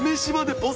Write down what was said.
ボス。